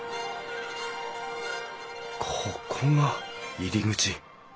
ここが入り口。